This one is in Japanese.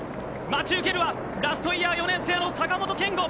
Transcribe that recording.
待ち受けるはラストイヤー４年生の坂本健悟。